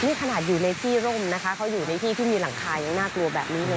นี่ขนาดอยู่ในที่ร่มนะคะเขาอยู่ในที่ที่มีหลังคายังน่ากลัวแบบนี้เลย